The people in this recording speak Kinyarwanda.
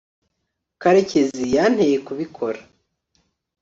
karekezi yanteye kubikora